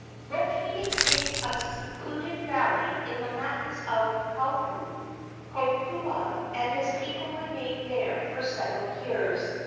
Locating in a secluded valley in the mountains of Haupu, Kokoa and his people remained there for several years.